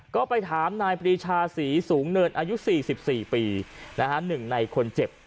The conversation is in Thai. ก็ไปถามนายปรีชาศรีสูงเนินอายุ๔๔ปี๑ในคนเจ็บ